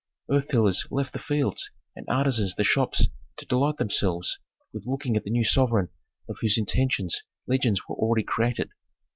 Earth tillers left the fields and artisans the shops to delight themselves with looking at the new sovereign of whose intentions legends were already created.